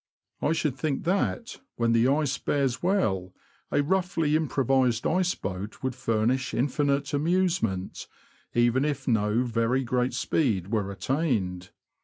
I should think that, when the ice bears well, a roughly improvised ice boat would furnish infinite amusement, even if no very great speed were attained.